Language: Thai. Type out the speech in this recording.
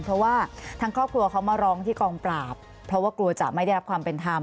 เพราะว่าทางครอบครัวเขามาร้องที่กองปราบเพราะว่ากลัวจะไม่ได้รับความเป็นธรรม